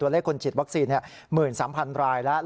ตัวเลขคนจิตวัคซีนเนี่ย๑๓๐๐๐รายแล้ว